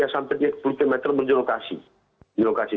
sampai tiga puluh km berjelokasi